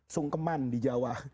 sungkeman di jawa